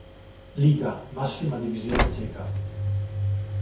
Liga, massima divisione ceca.